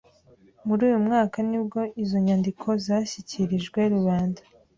Muri uyu mwaka ni bwo izo nyandiko zashyikirijwe rubanda.